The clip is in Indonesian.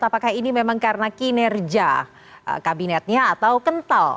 apakah ini memang karena kinerja kabinetnya atau kental